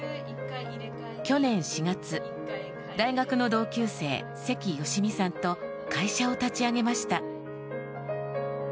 去年４月、大学の同級生関芳実さんと会社を立ち上げました。